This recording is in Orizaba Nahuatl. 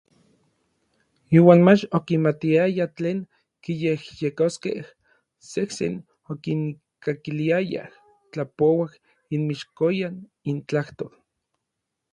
Iuan mach okimatiaya tlen kiyejyekoskej, sejsen okinkakiliayaj tlapouaj inmixkoyan intlajtol.